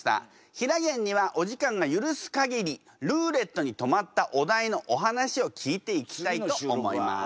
ひらげんにはお時間が許す限りルーレットに止まったお題のお話を聞いていきたいと思います。